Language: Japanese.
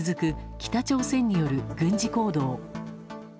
北朝鮮による軍事行動。